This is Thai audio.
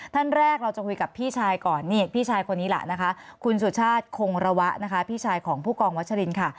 ท่านแรกเราจะคุยกับพี่ชายก่อนนี่พี่ชายคนนี้ล่ะนะคะคุณสุชาติคงระวะนะคะพี่ชายของผู้กองวัชรินค่ะ